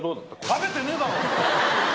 食べてねえだろ！